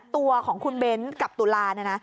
ตัวของคุณเบนและตุลานะนะ